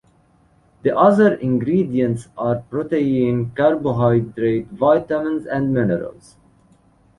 The other ingredients are protein, carbohydrate, vitamins and minerals.